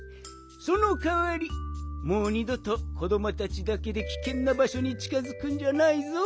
そのかわりもう２どと子どもたちだけできけんなばしょにちかづくんじゃないぞ。